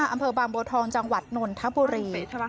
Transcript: อำเภอบางบัวทองจังหวัดนนทบุรี